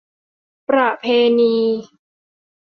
ประเพณี